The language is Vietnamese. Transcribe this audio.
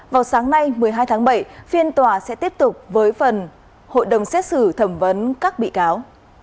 vào sáng nay một mươi hai tháng bảy phiên tòa sẽ tiếp tục với phần hội đồng xét xử thẩm vấn các bị cáo